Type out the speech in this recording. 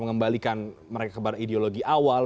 mengembalikan mereka kepada ideologi awal